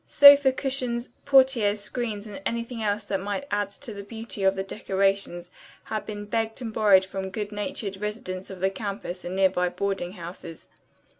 Sofa cushions, portieres, screens and anything else that might add to the beauty of the decorations had been begged and borrowed from good natured residents of the campus and nearby boarding houses.